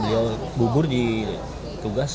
dia bubur di tugas